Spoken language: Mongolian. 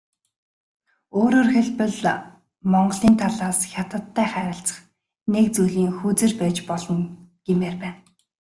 Өөрөөр хэлбэл, Монголын талаас Хятадтай харилцах нэг зүйлийн хөзөр байж болно гэмээр байна.